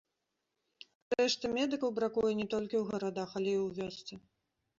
Зрэшты, медыкаў бракуе не толькі ў гарадах, але і ў вёсцы.